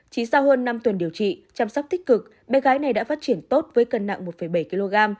chỉ sau hơn năm tuần điều trị chăm sóc tích cực bé gái này đã phát triển tốt với cân nặng một bảy kg